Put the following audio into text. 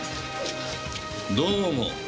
どうも。